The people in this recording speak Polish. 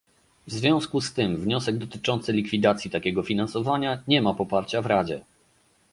W związku z tym wniosek dotyczący likwidacji takiego finansowania nie ma poparcia w Radzie